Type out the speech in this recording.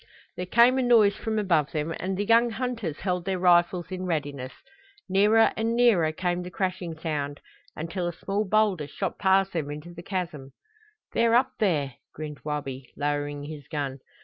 There came a noise from above them and the young hunters held their rifles in readiness. Nearer and nearer came the crashing sound, until a small boulder shot past them into the chasm. "They're up there," grinned Wabi, lowering his gun.